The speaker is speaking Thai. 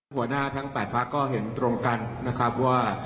หัวหน้าทั้ง๘พักก็เห็นตรงกันนะครับว่า